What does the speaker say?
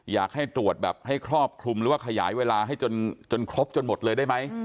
อยากให้ตรวจแบบให้ครอบคลุมหรือว่าขยายเวลาให้จนครบจนหมดเลยได้ไหม